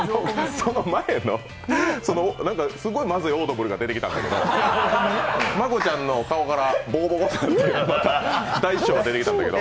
その前のすごいまずいオードブルが出てきたんやけど真子ちゃんの顔からぼこぼことなって、大将が出てきたんだけど。